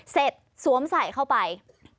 เสร็จสวมใส่เข้าไป